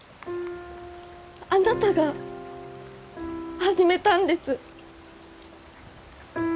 あなたが始めたんです！